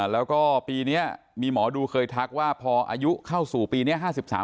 แล้วก็ปีนี้มีหมอดูเคยทักว่าพออายุเข้าสู่ปีนี้๕๓